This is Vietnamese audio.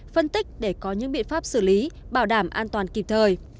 phân tích để có những biện pháp xử lý bảo đảm an toàn kịp thời